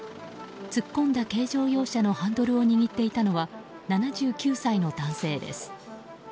突っ込んだ軽乗用車のハンドルを握っていたのは７９歳の男性です。